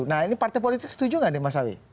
nah ini partai politik setuju nggak nih mas awi